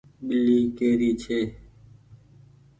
ٻلي ڪي ري ڇي۔